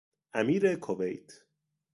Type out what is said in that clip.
امیر کویت